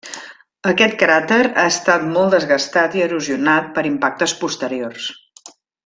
Aquest cràter ha estat molt desgastat i erosionat per impactes posteriors.